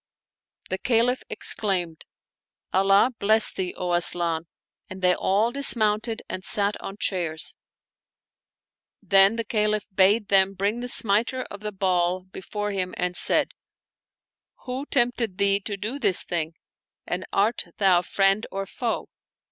The Caliph exclaimed, " Allah bless thee, O Asian! " and they all dismounted and sat on chairs. Then the Caliph bade them bring the smiter of the ball before him and said, " Who tempted thee to do this thing, and art thou friend or foe?"